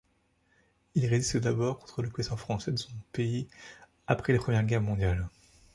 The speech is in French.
Il résiste d'abord contre l'occupation française de son pays après la Première Guerre mondiale.